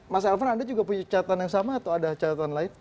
mas elvan anda juga punya catatan yang sama atau ada catatan lain